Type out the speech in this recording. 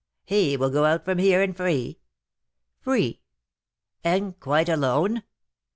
"He will go out from here, and free?" "Free." "And quite alone?"